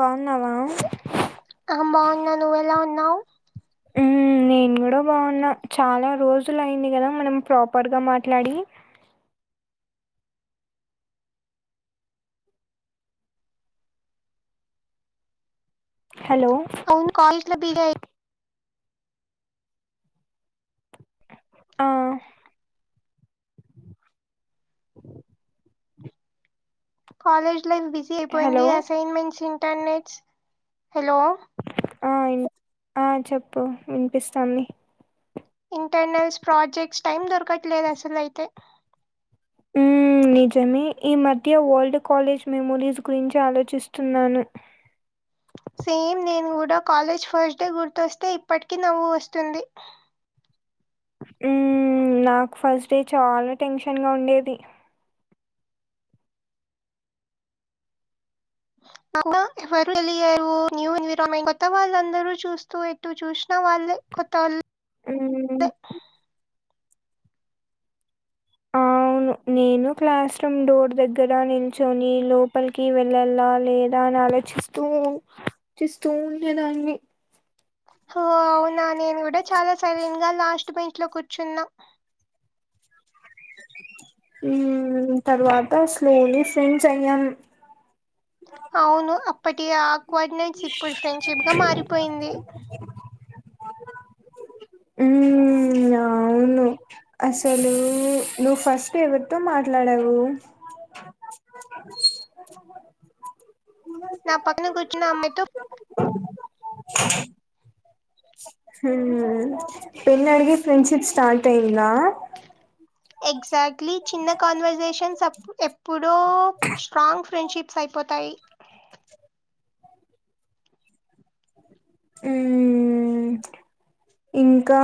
బాగున్నావా ఆ బావున్నా నువ్వెలా ఉన్నావ్ ఉమ్ నే నేను కూడా బాగున్నా చాలా రోజులు అయింది కదా మనం ప్రాపర్గా మాట్లాడి హలో అవును కాల్ లిస్ట్ లో బీసీ ఆ [inaudible] కాలేజ్ లైఫ్ బిజీ అయిపోయింది హలో అసైన్మెంట్స్ ఇంటర్నెట్స్ హలో ఆ ఆ చెప్పు వినిపిస్తాంది ఇంటర్నల్స్ ప్రాజెక్ట్స్ టైం దొరకట్లేదు అసలు అయితే ఉమ్ నిజమే ఈ మధ్య ఓల్డ్ కాలేజ్ మెమోరీస్ గురించి ఆలోచిస్తున్నాను సేమ్ నేను కూడా కాలేజ్ ఫస్ట్ డే గుర్తొస్తే ఇప్పటికి నవ్వు వస్తుంది [inaudible] ఉమ్ నాకు ఫస్ట్ డే చాలా టెన్షన్ గా ఉండేది [inaudible] [unintelligible] కొత్తవాళ్లు ఉమ్ అవును నేను క్లాస్ రూం డోర్ దగ్గర నిల్చొని లోపలికి వెళ్ళలా లేదా అని ఆలోచిస్తూ చిస్తూ ఉండే దాన్ని హో అవునా నేను కూడా చాలా సైలెంట్ గా లాస్ట్ ఇంట్లో కూర్చున్నా హమ్ తర్వాత స్లోలీ ఫ్రెండ్ అయ్యాం అవును అప్పటి ఆ కోర్డినేట్స్ ఇప్పుడు ఫ్రెండ్షిప్ గా మారిపోయింది ఉమ్ అవు అవును అసలు నువ్వు ఫస్ట్ ఎవరితో మాట్లాడావు నా పక్కన కూర్చున్న అమ్మాయితో [unintelligible] ఉమ్ పెన్నఅడిగి ఫ్రెండ్షిప్ స్టార్ట్ అయింద ఎక్సెక్ట లీ చిన్న కాన్వర్సేషన్స్ ఎప్పుడో స్ట్రాంగ్ ఫ్రెండ్షిప్స్ అయిపోతాయి ఉమ్ ఇంకా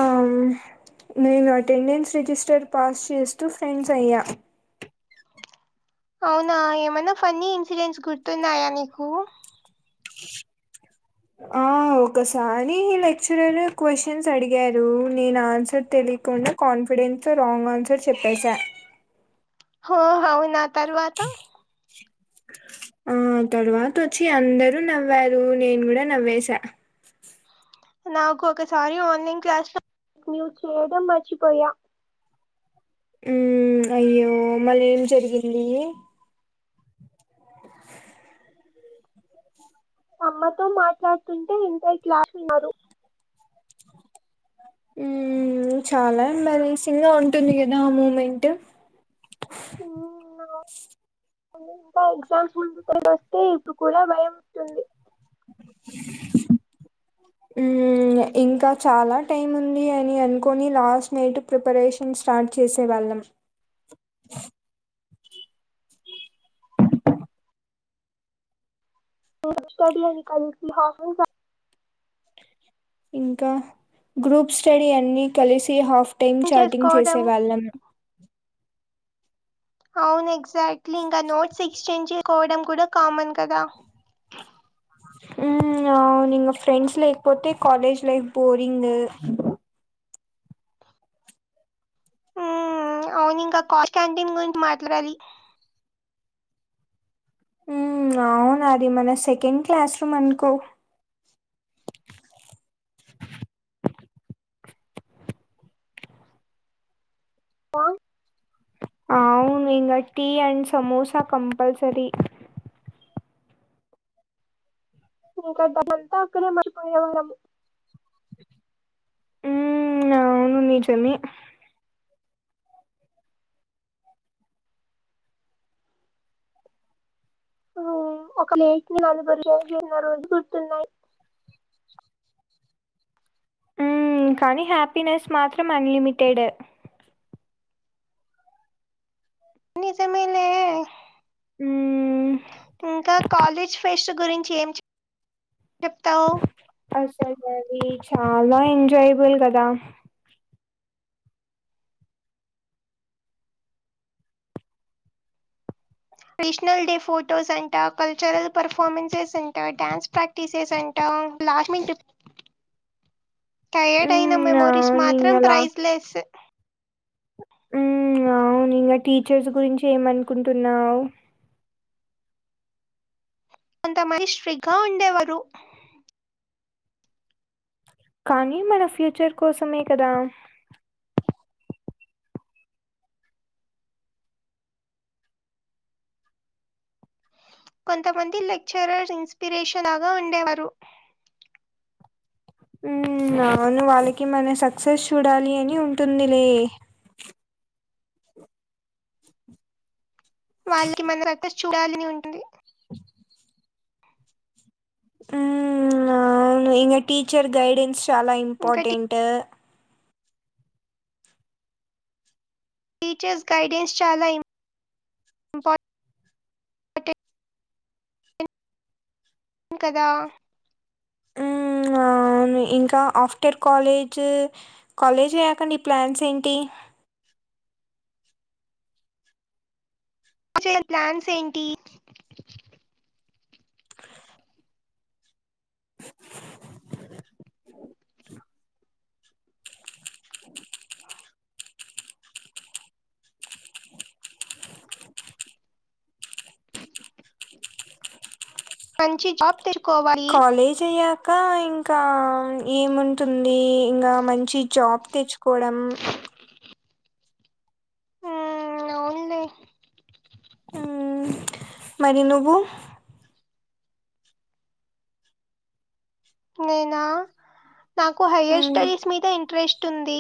నేను అటెండెన్స్ రిజిస్టర్ పాస్ చేస్తూ ఫ్రెండ్స్ అయ్యా అవునా ఏమైనా ఫన్నీ ఇన్సిడెంట్స్ గుర్తున్నాయా నీకు ఆ ఒకసారి లెక్చరర్ క్వశ్చన్స్ అడిగారు నేను ఆన్సర్ తె తెలియకుండా కాన్ఫిడెన్స్ తో రాంగ్ ఆన్సర్ చెప్పేశా హో అవునా తర్వాత ఆ తర్వాత వచ్చి అందరు నవ్వారు నేను కూడా నవ్వేసా నాకు ఒకసారి ఆన్లైన్ క్లాస్ లో మ్యూట్ చేయడం మర్చిపోయా ఉ అయ్యో మళ్ళి ఏం జరిగింది బియ్యం చెరుగుడు అమ్మతో మాట్లాడుతుంటే ఇంత క్లాస్ విన్నాడు ఉ చాలా ఇన్ బ్యాలెన్స్ గా ఉంటుంది కదా ఆ మూమెంట్ బియ్యం చెరుగులు కొన్ని ఇంకా ఎగ్జామ్స్ ముందుగ వస్తే ఇప్పుడు కూడా భయం వుంటుంది ఉ ఇంకా చాలా టైం ఉంది అని అనుకని లాస్ట్ నైట్ ప్రిపరేషన్ స్టార్ట్ చేసేవాళ్ళం ఉ హు ఎగ్జామ్ కి హాఫన్ నవర్ టైం ఉంది ఇంకా గ్రూప్ స్టడీ అన్ని కలిసి హాఫ్ టైమ్ చాటింగ్ చేసుకోవడం చేసేవాళ్ళం అవును ఎగ్జాక్ట్లీ ఇంకా నోట్స్ ఎక్స్చేంజ్ చేసుకోవడం కూడా కామనే కదా ఉ అవునా అవును మా ఫ్రెండ్స్ లేకపోతే కాలేజ్ లైఫ్ బోరింగ్ గా ఉంటుంది ఉ అవును ఇంకా కాస్ట్ క్యాంటీన్ గురించి మాట్లాడాలి ఉ అవునా అది మన సెకండ్ క్లాస్ రూమ్ అనుకో డోర్ సౌండ్ ఆ అవును ఇంకా టీ అండ్ సమోసా కంపల్సరీ ఇంకా డబ్బంతా అక్కడే మర్చిపోయే వాళ్ళము ఉ అవును నిజమే ఒక ప్లేట్ నలుగురీ షేర్ చేసినా రోజులు గుర్తున్నాయి ఉ కానీ హ్యాపీనెస్ మాత్రం అన్ లిమిటెడ్ నిజమేలే మ్మ్ ఇంకా కాలేజ్ ఫెస్టివల్ గురించి ఏం చెప్తారు అసలు అవి చాలా ఎంజాయ్ బుల్ కదా నేషనల్ డే ఫొటోస్ అంట కల్చరల్ పర్ఫార్మెన్సెస్ అంట డ్యాన్స్ ప్రాక్టీసెస్ అంట లాస్ట్ మనెట్ టయర్డ్ అయిన మ్మ్ మెమోరీస్ అవును మాత్రం ప్రైజ్ లెస్ ఉ అవును ఇంకా టీచర్స్ గురించి ఏమనుకుంటున్నావ్ కొంత మంది స్ట్రిక్ట్ గా ఉండేవారు కానీ మన ఫ్యూచర్ కోసమే కదా కొంతమంది లెక్చరర్ ఇన్స్పిరేషన్ లాగా ఉండేవారు ఉ అవును వాళ్ళకి మన సక్సెస్ చూడాలి అని ఉంటుందిలే ఉ ఉ హు వాళ్ళకి మన సక్సెస్ చూడాలని ఉంటుంది కదా ఉ హు ఉ అవును ఇగ టీచర్ గైడెన్స్ చాలా ఇంకా ఇంపార్టెంట్ టీచర్స్ గైడెన్స్ చాలా ఇంపార్టెంట్ ఇంపార్టెన్స్ ఉంటదా ఉ ఆ ఇంకా ఆఫ్టర్ కాలేజ్ కాలేజ్ అయ్యాక మీ ప్లాన్స్ ఏంటి ఆచే ప్లాన్స్ ఏంటి మంచి జాబ్ తెచ్చుకోవాలి కాలేజ్ అయ్యాక ఇకా ఇంకా ఏముంటుంది ఇంకా మంచి జాబ్ తెచ్చుకోవడం. ఆ అవున్లే ఉ మరి నువ్వు నేనా నాకు హయ్యర్ హ్మ్. స్టడీస్ మీద ఇంట్రెస్ట్ ఉంది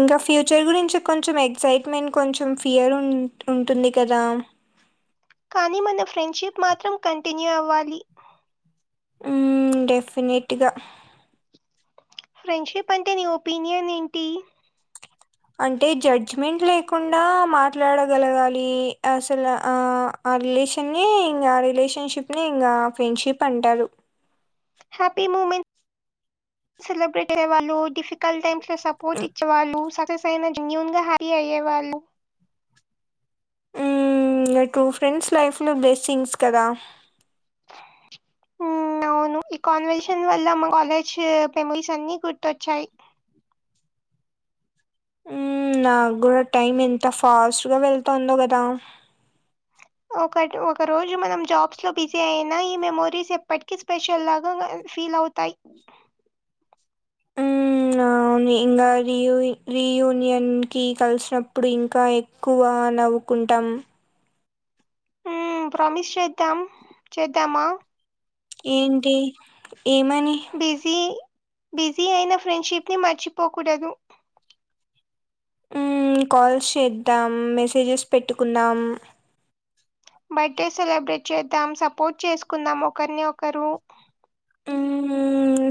ఇంకా ఫ్యూచర్ గురించి కొంచెం ఎగ్జైట్మెంట్ కొంచెం ఫియర్ ఉ ఉంటుంది కదా కానీ మన ఫ్రెండ్షిప్ మాత్రం కంటిన్యూ అవ్వాలి. ఉ డెఫినెట్గా ఫ్రెండ్షిప్ అంటే నీ ఒపీనియన్ ఏంటి అంటే జడ్జ్మెంట్ లేకుండా మాట్లాడగలగాలి అసలు ఆ ఆ రిలేషన్ ని ఇంకా రిలేషన్షిప్ ని ఇంకా ఫ్రెండ్షిప్ అంటారు. హపీ మూమెట్ సెలిబ్రేట్ వాళ్ళు డి టైమ్ లో సపోర్ట్ ఇచ్చేవాళ్ళు సైజ్ నా నన్యూన్గా హాయి అయే వాళ్ళు నా టూ ఫ్రెండ్స్ లైఫ్ లో బ్లెస్సింగ్స్ కదా మ్మ్, అవును ఈ కాన్వెన్షన్ వల్ల మా కాలేజ్ మెమరీస్ అన్ని గుర్తొచ్చాయి నాకు కూడా టైమ్ ఎంత ఫాస్టుగా వెళ్తుందో కదా ఒకటి ఒక రోజు మనం జాబ్స్ లో బిజీ అయినా ఈ మెమోరీస్ ఎప్పటికీ స్పెషల్ లాగా ఫీల్ అవుతాయి ఉ ఇంకా ర రియూనియన్ కి కలిసినప్పుడు ఇంకా ఎక్కువ నవ్వుకుంటాం ప్రామిస్ చేద్దాం చేద్దామా ఏంటి ఏమని బిజీ బిజీ అయిన ఫ్రెండ్షిప్ ని మర్చిపోకూడదు కాల్స్ చేద్దాం మెసేజెస్ పెట్టుకుందాం బర్త్డే సెలబ్రేట్ చేద్దాం సపోర్ట్ చేసుకుందాం ఒకరిని ఒకరు ఉ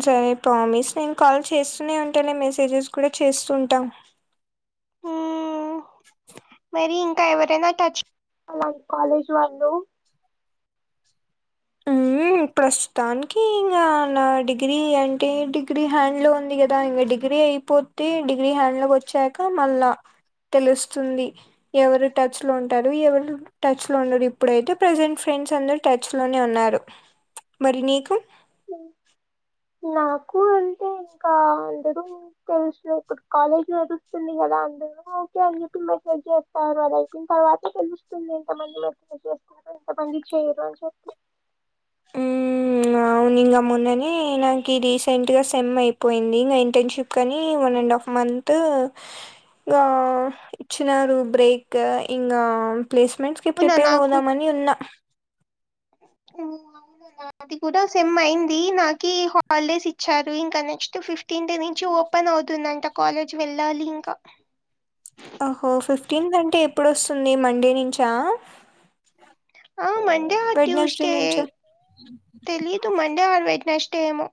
సరే పమిస్ నేను కాల్ చేస్తూనే ఉంటానే మెసేజెస్ కూడా చేస్తూ ఉంటా మ్మ్, మరి ఇంకా ఎవరైనా టచ్ [unintelligible] కాలేజ్ వాళ్ళు ఉమ్ ప్రస్తుతానికి ఇంకా నా డిగ్రీ అంటే డిగ్రీ హ్యాండ్ లో ఉంది కదా ఇంకా డిగ్రీ అయిపోతే డిగ్రీ హ్యాండ్ లోకి వచ్చాక మళ్ళా తెలుస్తుంది ఎవరు టచ్ లో ఉంటారు ఎవరు టచ్ లో ఉండరు ఇప్పుడైతే ప్రసెంట్ ఫ్రె ఫ్రెండ్స్ అందరు టచ్ లోనే ఉన్నారు మరి నీకు నాకు అంటే ఇంకా అందరూ తెలిసిన ఇప్పుడు కాలేజీ నడుస్తుంది అందురు ఓకే అని చెప్పి మెసేజ్ చేస్తారు అది అయిపోన తర్వాత తెలుస్తుంది ఇంత మంది మెసేజ్ ఎంత మంది చేయరు అని చెప్పి హు అవును ఇంక మొన్నని నాకి రీసెంట్ గా సెమ్ అయిపోయింది ఇంకా ఇంటర్న్షిప్ కని ఎండ్ ఆఫ్ మంతూ ఇంగా ఇచ్చినారు బ్రేక్ ఇంగా ప్లేస్మెంట్స్ కి అవునా ప్రిపేర్ నాకు అవుదామని ఉన్నా [inaudible] అది కూడా సెమ్ అయింది నాకి హాలిడేస్ ఇచ్చారు ఇంకా నెక్స్ట్ ఫిఫ్ట్ [unintelligible] నుంచి ఓపెన్ అవుతుందంట కాలేజ్ వెళ్ళాలి ఇంకా అహో ఫిఫ్టీన్త్ అంటే ఎప్పుడుస్తుంది మండే నుంచా ఆ మండే ఆర్ వెడ్‌నెస్‌డే ట్యూస్డే నుంచా? తెలిదు [unintelligible] [unintelligible] వెడ్నెస్డేమో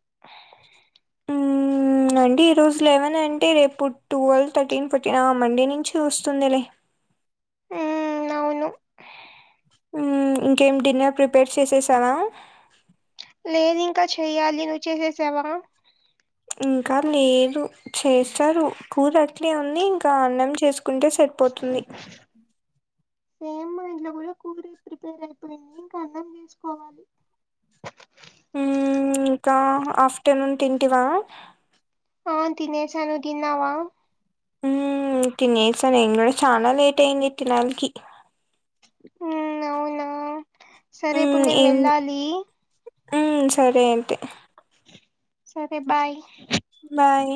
ఉ అంటే ఈరోజు లెవెన్ అంటే రేపు టువెల్వ్ థర్టీన్ ఫర్టీన్ ఆ మండే నుంచి వస్తుందిలే అవును ఇంకేమి డిన్నర్ ప్రిపేర్ చేసేసావ లేదు ఇంకా చెయ్యాలి నువ్వు చేసేసావ ఇంకా లేదు చేస్తారు కూర అట్లే ఉంది ఇంకా అన్నం చేసుకు ఉంటే సరిపోతుంది సేమ్ మా ఇంట్లో కూడా కూరే ప్రిపేర్ అయిపోయింది ఇంకా అన్నం చేసుకోవాలి ఇంకా ఆఫ్టర్నూన్ తింటివ ఆ తినేసాను నువ్వు తిన్నావ తినేసా నేను కూడ చానా లేట్ అయింది తినాలికి ఉ అవునా సరే ఇప్పుడు నేను వెళ్ళాలి ఉ సరే అయితే సరే బాయ్ బాయ్